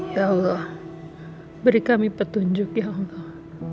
ya allah beri kami petunjuk ya allah